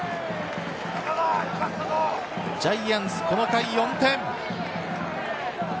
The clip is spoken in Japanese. ジャイアンツ、この回４点。